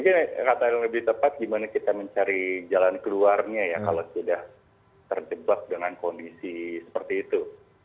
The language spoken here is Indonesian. saya kira kata yang lebih tepat gimana kita mencari jalan keluarnya ya kalau sudah terjebak dengan kondisi seperti itu